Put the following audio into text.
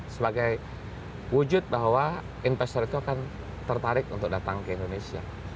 sebagai wujud bahwa investor itu akan tertarik untuk datang ke indonesia